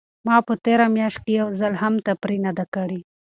ما په تېره میاشت کې یو ځل هم تفریح نه ده کړې.